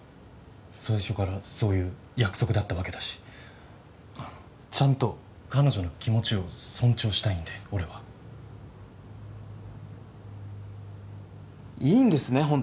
最初からそういう約束だったわけだしちゃんと彼女の気持ちを尊重したいんで俺はいいんですね？